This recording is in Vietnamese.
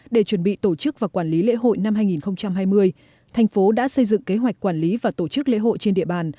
để chuẩn bị tổ chức và quản lý lễ hội năm hai nghìn hai mươi thành phố đã xây dựng kế hoạch quản lý và tổ chức lễ hội trên địa bàn